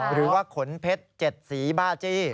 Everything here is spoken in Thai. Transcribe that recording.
หรือว่าขนเพชร๗สีบ้าจี้